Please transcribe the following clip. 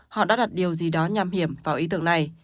họ đã đặt điều gì đó nham hiểm vào ý tưởng này